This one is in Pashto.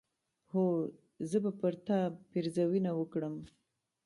هو! زه به پر تا پيرزوينه وکړم